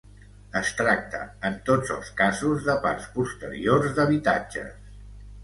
Es tracta en tots els casos de parts posteriors d'habitatges.